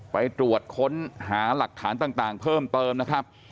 ไปตรวจค้นหาหลักฐานต่างเพิ่มเติมนะครับ